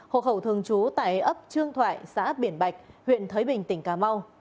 hồ khẩu thường chú tại ấp trương thoại xã biển bạch huyện thới bình tỉnh cà mau